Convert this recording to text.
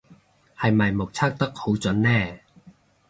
係咪目測得好準呢